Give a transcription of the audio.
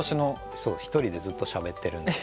そう１人でずっとしゃべってるんです。